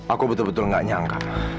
aku betul betul gak nyangka